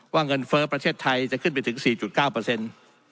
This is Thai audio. ว่าเงินเฟ้อประเทศไทยจะขึ้นไปถึง๔๙